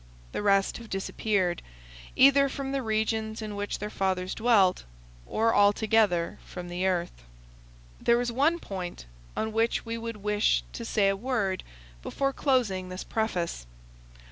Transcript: The rest have disappeared, either from the regions in which their fathers dwelt, or altogether from the earth. There is one point on which we would wish to say a word before closing this preface.